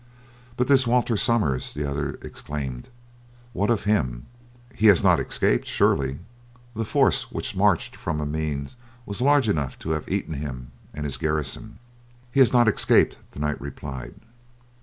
"But this Walter Somers," the other exclaimed, "what of him? He has not escaped surely! The force which marched from Amiens was large enough to have eaten him and his garrison. "He has not escaped," the knight replied.